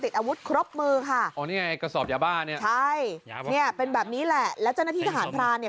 ใช่เนี่ยเป็นแบบนี้แหละแล้วเจ้าหน้าที่ฐานพรานเนี่ย